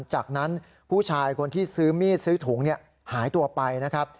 จากนั้นผู้ชายคนที่ซื้อมีดซื้อถุงหายตัวไปนะครับ